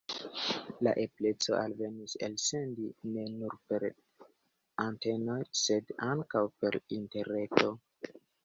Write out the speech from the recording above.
La ebleco alvenis elsendi ne nur per antenoj, sed ankaŭ per Interreto.